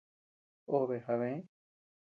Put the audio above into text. Obe jabë.